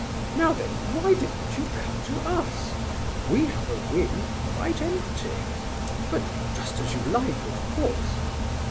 Now then—why didn't you come to us? We have a wing quite empty. But just as you like, of course.